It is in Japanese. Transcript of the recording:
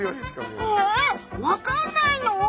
え分かんないの？